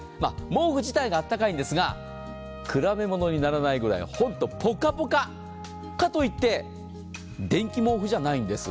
毛布自体があったかいんですが比べものにならないくらい、ぽかぽか、かといって電気毛布じゃないんです。